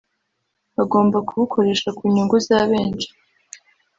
bagomba kubukoresha ku nyungu za benshi